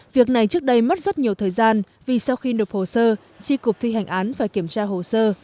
việc này trước đây mất rất nhiều thời gian vì sau khi nộp hồ sơ tri cục thi hành án phải kiểm tra hồ sơ